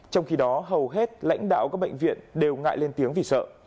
trong khi đó hầu hết lãnh đạo các bệnh viện đều ngại lên tiếng vì sợ